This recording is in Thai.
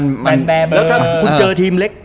แล้วถ้าคุณเจอทีมเล็ก